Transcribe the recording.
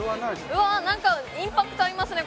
うわ何かインパクトありますね